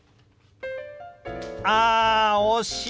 あ惜しい！